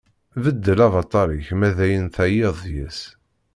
Beddel avaṭar-ik ma dayen teɛyiḍ deg-s.